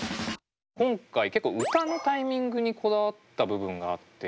今回結構歌のタイミングにこだわった部分があって。